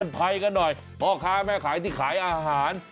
ภัยกันหน่อยพ่อค้าแม่ขายที่ขายอาหาร